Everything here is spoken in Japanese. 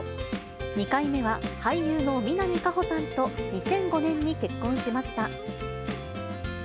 ２回目は俳優の南果歩さんと２００５年に結婚しました。